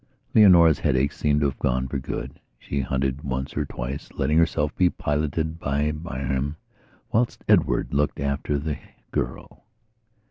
Leonora's headaches seemed to have gone for good. She hunted once or twice, letting herself be piloted by Bayham, whilst Edward looked after the girl.